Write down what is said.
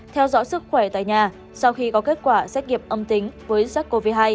theo dõi sức khỏe tại nhà sau khi có kết quả xét nghiệm âm tính với sars cov hai